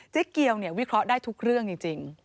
เจ๊เกียววิเคราะห์ได้ทุกเรื่องจริง